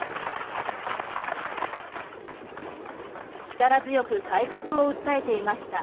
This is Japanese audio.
力強く改革を訴えていました。